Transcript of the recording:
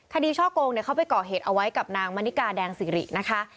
ช่อโกงเขาไปก่อเหตุเอาไว้กับนางมณิกาแดงสิรินะคะ